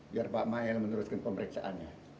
biar pak mail meneruskan pemeriksaannya